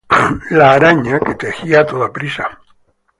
La Araña, que tejía a toda prisa